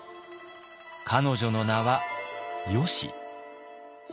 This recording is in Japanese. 彼女の名は「よし」。